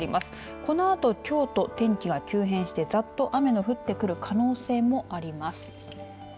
このあと京都、天気が急変してザッと雨の降ってくる可能性もあります。